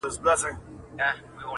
زه چي په بې سېکه گوتو څه وپېيم,